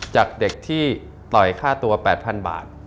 จากเด็กที่ต่อยค่าตัว๘๐๐๐บาท